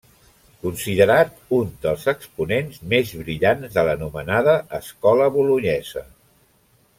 Considerat un dels exponents més brillants de l'anomenada escola Bolonyesa.